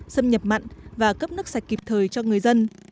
xâm nhập mặn và cấp nước sạch kịp thời cho người dân